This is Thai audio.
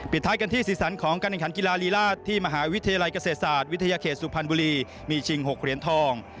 ท้ายกันที่สีสันของการแข่งขันกีฬาลีราชที่มหาวิทยาลัยเกษตรศาสตร์วิทยาเขตสุพรรณบุรีมีชิง๖เหรียญทอง